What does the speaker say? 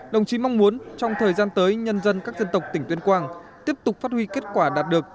đồng chí mong muốn trong thời gian tới nhân dân các dân tộc tỉnh tuyên quang tiếp tục phát huy kết quả đạt được